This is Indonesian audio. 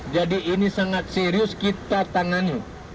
jadi ini sangat serius kita tangani